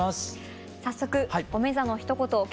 早速「おめざ」のひと言を。